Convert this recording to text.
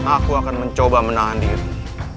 aku akan mencoba menahan diri